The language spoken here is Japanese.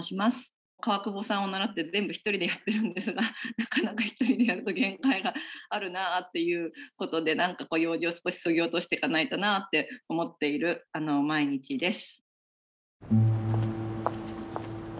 川久保さんをならって全部一人でやってるんですがなかなか一人でやると限界があるなということで何かこう用事を少しそぎ落としていかないとなって思っている毎日です」。